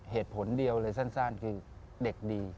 เหตุผลเดียวเลยสั้นคือเด็กดี